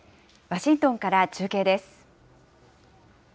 ワシントンから中継です。